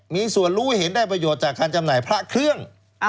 มีส่วนรู้เห็นได้ประโยชน์จากการจำหน่ายพระเครื่อง